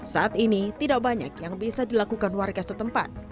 saat ini tidak banyak yang bisa dilakukan warga setempat